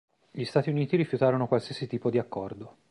Gli Stati Uniti rifiutarono qualsiasi tipo di accordo.